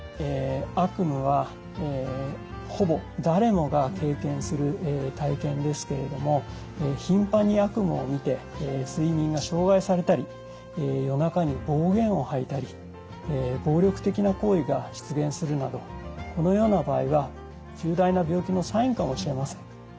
悪夢はほぼ誰もが経験する体験ですけれどもひんぱんに悪夢をみて睡眠が障害されたり夜中に暴言を吐いたり暴力的な行為が出現するなどこのような場合は重大な病気のサインかもしれません。